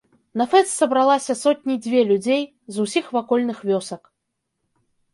На фэст сабралася сотні дзве людзей з усіх вакольных вёсак.